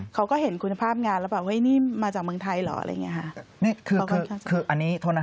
เขาก็เห็นคุณภาพงานแล้วแบบเฮ้ยนี่มาจากเมืองไทยเหรออะไรอย่างนี้ค่ะ